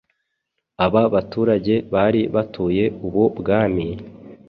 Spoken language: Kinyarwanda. Aba baturage bari batuye ubu bwami,